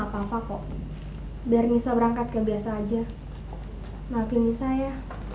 kau juga ingin abadi terhadap saya